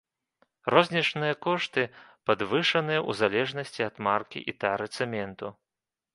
Рознічныя кошты падвышаныя ў залежнасці ад маркі і тары цэменту.